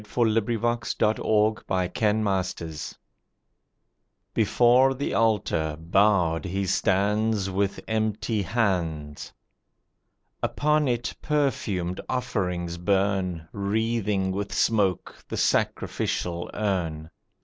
] LYRICAL POEMS Before the Altar Before the Altar, bowed, he stands With empty hands; Upon it perfumed offerings burn Wreathing with smoke the sacrificial urn.